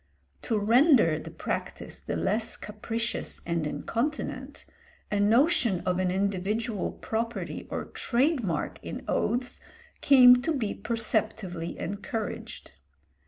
To render the practice the less capricious and incontinent, a notion of an individual property or trade mark in oaths came to be perceptibly encouraged.